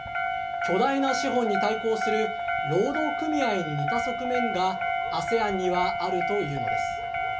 巨大な資本に対抗する労働組合に似た側面がＡＳＥＡＮにはあるというのです。